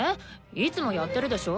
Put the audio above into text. いつもやってるでしょ。